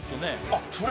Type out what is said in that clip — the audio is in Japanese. あっそれ